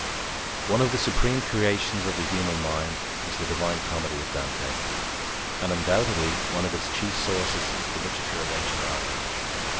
One of the supreme creations of the human mind is the Divine Comedy of Dante, and undoubtedly one of its chief sources is the literature of ancient Ireland.